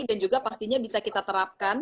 dan juga pastinya bisa kita terapkan